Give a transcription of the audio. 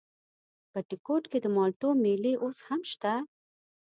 بټي کوټ کې د مالټو مېلې اوس هم شته؟